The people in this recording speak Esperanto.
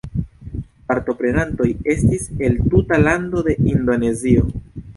Partoprenantoj estis el tuta lando de Indonezio.